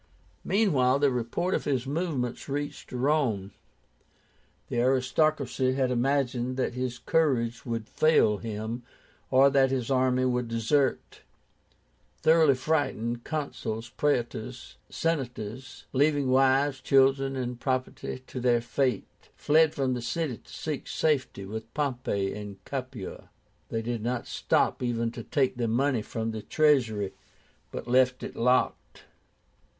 Meanwhile the report of his movements reached Rome. The aristocracy had imagined that his courage would fail him, or that his army would desert. Thoroughly frightened, Consuls, Praetors, Senators, leaving wives, children, and property to their fate, fled from the city to seek safety with Pompey in Capua. They did not stop even to take the money from the treasury, but left it locked.